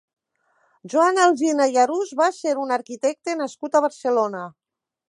Joan Alsina i Arús va ser un arquitecte nascut a Barcelona.